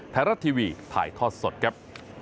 ไทยรัฐทีวีถ่ายทอดสดครับ